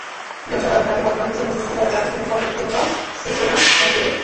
জনসাধারণের কাছে বর্তমান প্রেসিডেন্টের মতো সহজাত আকর্ষণীয় ক্ষমতার ছিটেফোঁটাও সিরিসেনার মধ্যে নেই।